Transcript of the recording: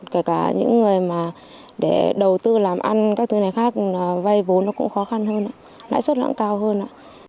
kể cả những người mà để đầu tư làm ăn các thứ này khác vay vốn nó cũng khó khăn hơn lãi suất lãng cao hơn